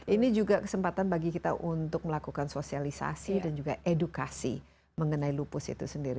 ini juga kesempatan bagi kita untuk melakukan sosialisasi dan juga edukasi mengenai lupus itu sendiri